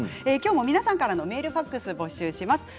きょうも皆さんからメールファックスを募集します。